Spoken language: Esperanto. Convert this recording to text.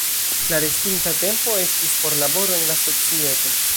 La restinta tempo estis por laboro en la societo.